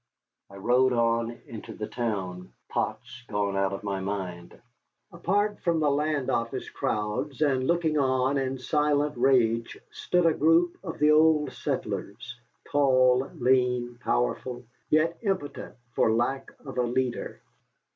I rode on into the town, Potts gone out of my mind. Apart from the land office crowds, and looking on in silent rage, stood a group of the old settlers, tall, lean, powerful, yet impotent for lack of a leader.